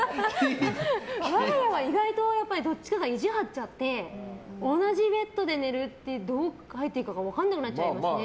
我が家は意外とどっちかが意地を張っちゃって同じベッドで寝るってどう入っていいか分からなくなっちゃいますね。